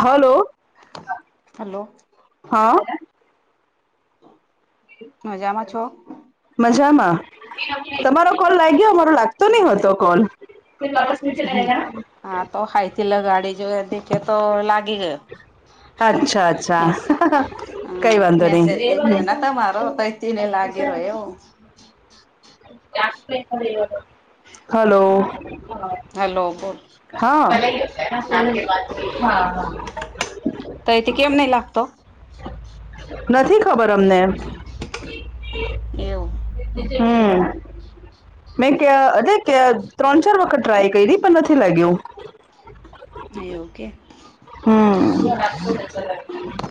Hello. Hello. હાં. મઝામાં છો? મઝામાં તમારો કોલ લાગ્યો, મારો લાગતો નઈ હોતો કોલ. હં આ તો હાયથી લગાડી જોયો દેખે તો લાગી ગયો. અચ્છા અચ્છા મેસ હં કઈ વાંધો મેસેજ નહી દેખ્યો નતો મારો તઈ તેને લાગે રો એવો હલો. હલો બોલ. હાં હાં તઈથી કેમ નહી લાગતો? નથી ખબર અમને. એવું હમ્મ. મેં ક અ ત્રણ ચાર વખત ટ્રાય કયરી પણ નથી લાગ્યું. એવુ કે હમ્મ.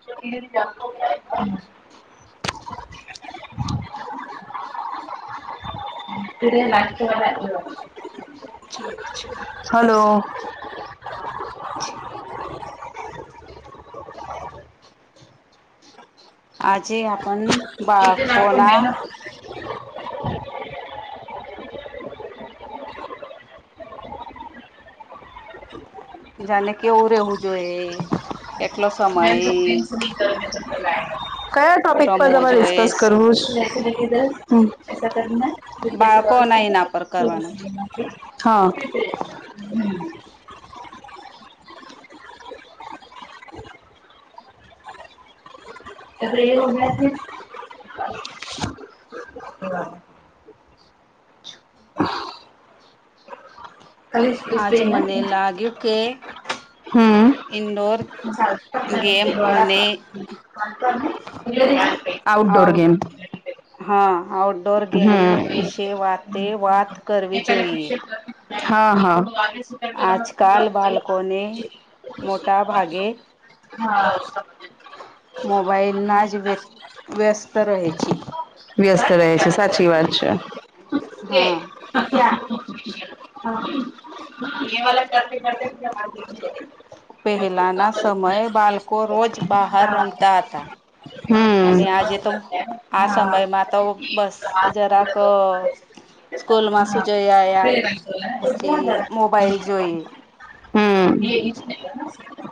[unintelligible] [unintelligible] હલો. આજે આપણ બાળકોના [unintelligible] જાને કેવું રેવું જોયે કયા ટોપિક પર રમવો તમારે ડિસ્કસ જોઈએ કરવું છે? બાળકોના એના પર કરવાનો છે [unintelligible] હાં. [unintelligible] આજ મને લાગ્યું કે ઇન્દોર આઉટડોર ગેમ. હાં આઉટડોર ગેમ હમ વિશે વાતે વાત કરવી જોઈએ. હાં હાં. આજકાલ બાલકોને મોટા ભાગે [unintelligible] મોબાઈલના જ વ્ય વ્યસ્ત રહે છે. વ્યસ્ત રહે છે સાચી વાત છે. હા. [unintelligible] પહેલાના સમયે બાલકો રોજ બહાર રમતા હતા. અને હમ આજે તો આ હા સમયમાં તો બ સ જરાક સ્કૂલમાં શું જઈ આયા. પછી મોબાઈલ જોઈ. [unintelligible]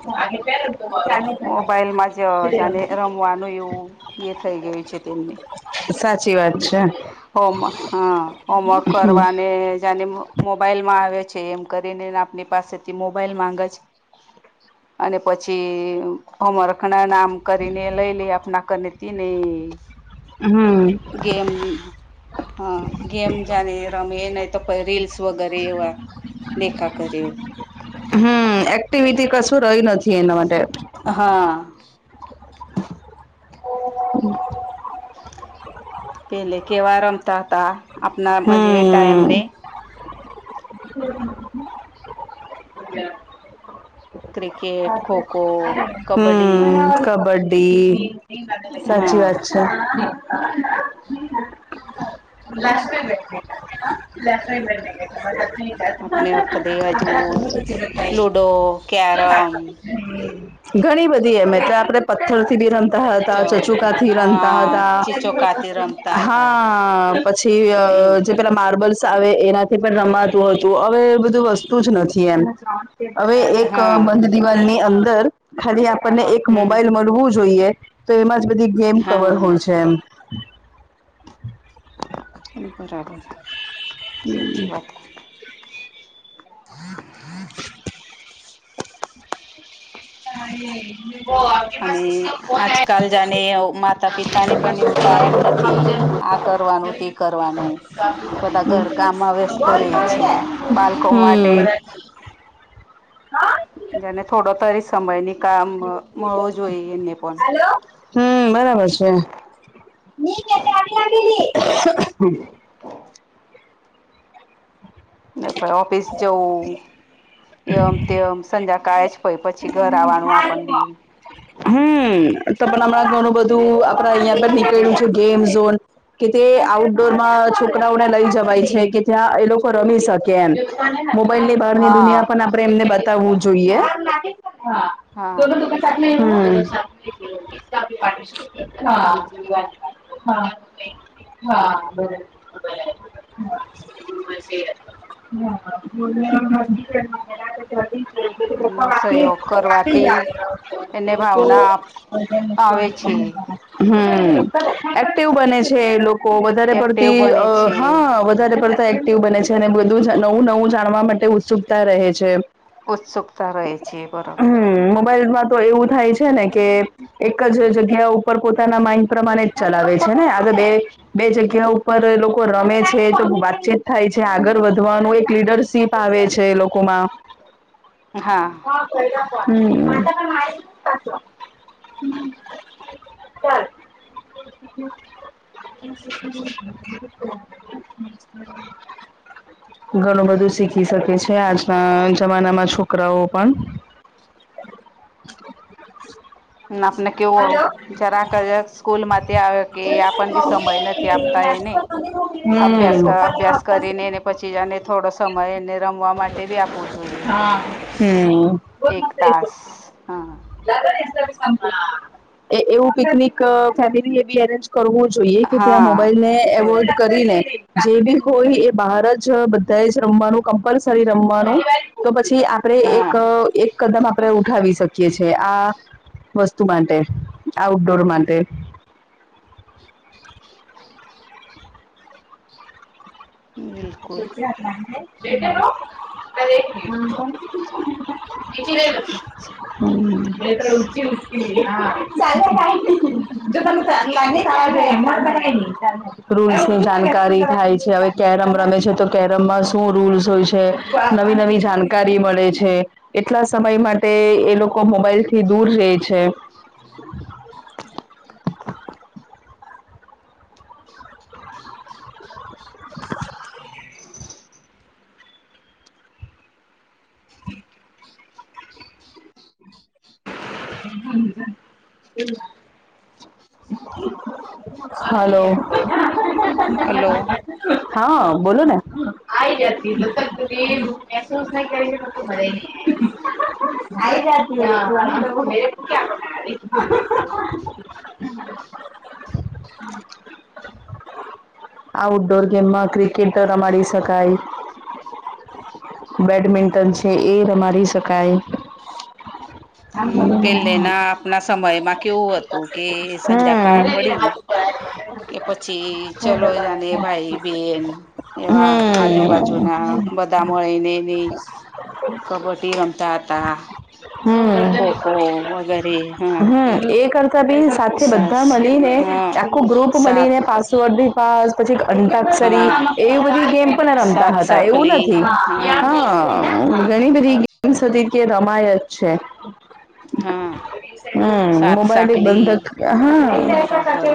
[unintelligible] મોબાઈલમાં જ જાને રમવાનું એવું એ થઈ ગયું છે. તેમને, સાચી વાત છે. હોમ હા હોમવર્ક હમ કરવાને જાને મોબાઈલ માં આવે છે. એમ કરીને આપની પાસેથી મોબાઈલ માંગ છે. અને પછી અમરખના નામ કરીને લય લે આપના કરીને હમમ ગેમ હ ગેમ જાને રમીએ નહી તો પર રીલ્સ વગેરે એવા દેખા કર્યું. હમમ એક્ટિવિટી કશું રહી નથી. એના માટે હા આ [inaudible] પેલે કેવા રમતા હતા. આપના માજે હમ ટાઈમને હ [inaudible] ક્રિકેટ ખોખો કબડ્ડી હમમ કબડ્ડી સાચી હા વાત છે. [unintelligible] આપને આખડે [unintelligible] લુડો કેરમ ઘણી બધી એમ, એટલે આપડે પથથર થી બી રમ ચ હતા ચચુંકા થી રમતા હા હતા. ચીચોકાતી રમતા હા હતા આ પછી એવું જ પેલા માર્બલ્સ આવે. એનાથી પણ રમાતું હતું. હવે એ બધું વસ્તુ જ નથી એમ, અવે એક હા બંધ દિવાલની અંદર ખાલી આપણને એક હમ મોબાઈલ મલવુ જોઈએ. તો એમાં જ બધી ગેમ કવર હોય હા છે. એમ, [inaudible] બરાબર સાચી વાત [inaudible] [unintelligible] અને હા આજકાલ વો જાને માતા [unintelligible] પિતાને પણ એવું ટાઈમ ફોન નથી આ આયા કરવાનું તે [inaudible] કરવાનું બધા [unintelligible] ઘર કામમાં વ્યસ્ત સારું રહે છે [inaudible] બાળકો માટે હમ્મ જેને થોડો તરી સમયની કામ મળવું જોઈએ. એને પણ હમમ બરાબર છે. [unintelligible] [inaudible] તે પણ ઓફિસ જવું એમ તેમ સાધ્યા કાય જ પય પછી ઘર આવવાનું આપણ બી. હમમ તો પણ હમણાં ઘણું બધું આપણા અહિયાં પણ નીકળ્યું એક છે. ગેમ ઝોન, કે તે આઉટડોર માં છોકરાઓને લઈ જવાય છે. કે ત્યાં એ લોકો પર રમી શકે એમ મોબાઈલ ની બહારની હા દુનિયા પણ આપડે એમને બતાવું જોઈએ. હા ગોલુ તુમ્હે [unintelligible] હમ [inaudible] હા બરાબર [inaudible] [unintelligible] એનો સહયોગ કરવાથી [unintelligible] એને ભાવના આવે છે હમ્મ. એક્ટિવ બને છે લોકો વધારે એક્ટિવ પડતી અ બને છે હા વધારે પડતી એક્ટિવ બને છે અને બધું નવું નવું જાણવા માટે ઉત્સુકતા રહે છે. ઉત્સુકતા રહે છે. બરોબર. હમ મોબાઈલમાં તો એવું થાય છે ને કે એક જ જગ્યા ઉપર પોતાના માઇન્ડ પ્રમાણે જ ચલાવે છે હે આજે બે બે જગ્યા ઉપર લોકો રમે છે તો વાતચીત થાય છે આગળ વધવાનું એ લીડરશીપ આવે છે એ લોકોમાં. હા. હમ્મ. [inaudible] [inaudible] ઘણું બધું શીખી શકે છે આજના જમાનામાં છોકરાઓ પણ. [inaudible] નાપને કેવુંઆવું જરાક જ સ્કૂલ માંથી આવે કે આપણ બી સમય નથી આપતા એ ને. [inaudible] અભ્યાસ ક અભ્યાસ કરીને એને પછી અને ને થોડો સમય એને રમવા માટે આપવું જોઈએ. હમ એક તાસ, હમ્મ. [unintelligible] એવું પિકનિક ફેમિલીએ બી એરેન્જ કરવું જોઈએ કે ત્યાં હા મોબાઈલ ને જોઈએ એવોઈડ કરીને જે બી હોય એ જ બહારજ જ બધાએ જ રમવાનું કમ્પલસરી રમવાનું તો પછી આ આપરે હા એક એક કદમ આપણે ઉઠાવી શકીએ છે આ તું માટે, આઉટડોર માટે [inaudible] [inaudible] [unintelligible] બિલકુલ જો તમે શાસન ત્યાં રૂલ્સ ની જાણકારી થાય છે હવે. કેરમ રમે છે, તો કેરમમાં શું રૂલ્સ હોય છે. નવી નવી જાણકારી મળે છે. એટલા સમય માટે એ લોકો મોબાઈલ થી દૂર રહે છે. [inaudible] [inaudible] [inaudible] એટલું હાલો. હાલો. હા, બોલોને. આ આવી જતી [unintelligible] મહેસૂસ ન કરલી મને. આવી જાતી હા. [inaudible] આઉટડોર ગેમમાં ક્રિકેટ રમાડી શકાય. બેડમિન્ટન છે એય રમાડી શકાય. પેલે ના આપના સમયમાં કેવું હતું કે હમ સંજાકાળ પડી. કે પછી ચલો જાને ભાઈ બેન. હમ એવા આજુબાજુ ના બધા મળી ને, ઈ કબડ્ડી રમતા હતા. હમ ખો ખો વગે હમ એ કરતા બી સાથે સાસ બધા મલીને હા આખું ગ્રુપ સાત મલીને પાસવર્ડ બી પાસ પછી, અંતાક્ક્ષરી હા એવી બધી ગેમ પણ રમતા સાત હતા એવું નથી સાકલી હા. હ ઘણી બધી ગેમ્સ હતી કે રમાય જ છે. હા. હમ સાત મોબાઈલ એક સાકલી બંધક હા હ બરાબર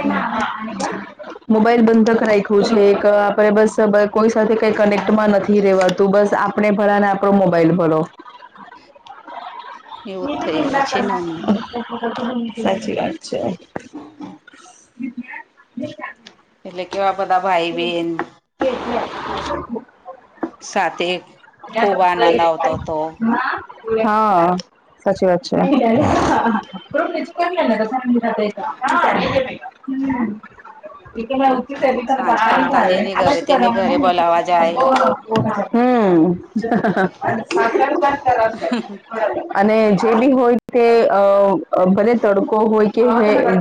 મોબાઈલ બંધક રાખ્યું છે, એક આપે બસ કોઈ સાથે કઈ કનેક્ટમાં નથી રેવાતું બસ આપ આપણે ભલાને આપડો મોબાઈલ ભલો. [unintelligible] એવું જ થઈ ગયું છે ને અમને [unintelligible] સાચી વાત છે. એટલે કેવા બધા ભાઈ બહેન. [unintelligible] સાથે. ખુબ આનંદ આવતો હતો. હા. સાચી વાત છે. હમ એ સાંજ પડતા જ કે, એની ઘરે તેની ઘરે [unintelligible] બોલાવા જાય નીચે હમ હ હ અને જે બી હોય તે અ ભલે તડકો હોય કે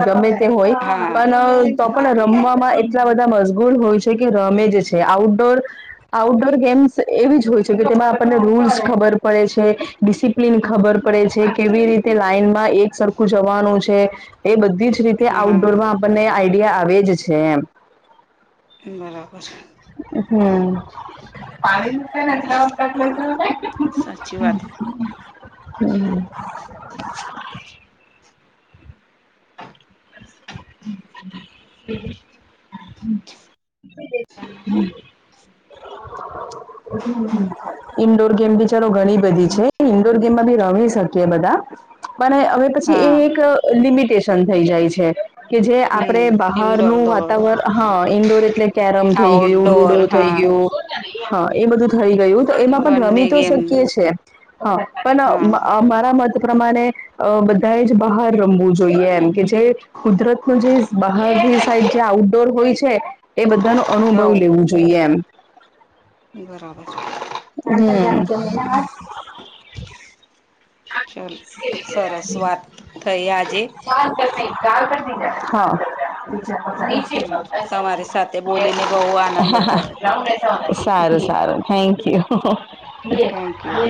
ગમે, તે હોય હા પણ, તો પણ રમવામાં એટલા બધા મસગૂલ હોય છે કે રમે જ છે આઉટડોર. આઉટડોર ગેમ્સ એવી જ હોય છે કે તેમાં આપણને રુલ્સ ખબર. પડે છે, ડિસિપ્લિન ખબર પડે છે, કેવી લાઈનમાં એક સરખું જવાનું છે. એ બધી જ રીતે હા આઉટડોરમાં આપણને આઈડિયા આવે જ છે એમ. બરાબર. હમ પાણી છે ને [unintelligible] સાચી વાત હૈ. હમ. [inaudible] હમ. [inaudible] ઈન્ડોર ગેમ બી ચલો ઘણી બધી છે ઈન્ડોર ગેમમાં બી રમી શકીએ બધા. પણ હવે પછી એ હા એક લિમિટેશન થઈ જાય છે. કે જે આપડે હમ ઇન્ડોર બહારનું દોડ વાતાવરણ હા ઇન્ડોર એટલે કેરમ થઈ ગયું, આઉટડોર લુડો થઈ હા ગયું. હા એ બધું થઈ ગયું તો એમાં પણ બંને રમી તો ગેમ શકીયે છે. હા પણ હા અ મારા મત પ્રમાણે, અ બધાએ જ બહાર રમવું જોઈએ એમ કે જે કુદરત નું જે બહારની સાઈડ જે આઉટડોર હોય છે એ બધ ધાનો હવ અનુભવ લેવુ જોઈએ એમ. બરાબર. હમ્મ. ચલ સરસ વાત થઈ આજે. હમ તમારી સાથે બોલીને બહુ આનંદ હા. થયો સારું સારું. Thank you. Thank you